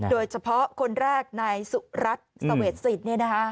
โดยเฉพาะคนแรกนายสุรัตน์สเวตศิลป์